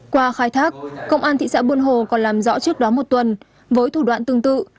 qua khai thác công an thị xã buôn hồ còn làm rõ trước đó một tuần với thủ đoạn tương tự